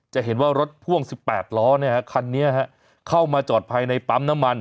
จะเห็นว่ารถพ่วง๑๘ล้อคันนี้เข้ามาจอดภายในปั๊มน้ำมัน